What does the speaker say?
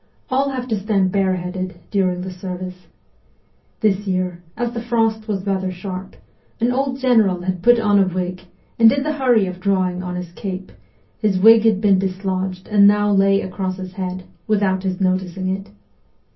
All have to stand bareheaded during the service. This year, as the frost was rather sharp, an old general had put on a wig, and in the hurry of drawing on his cape, his wig had been dislodged and now lay across his head, with out his noticing it.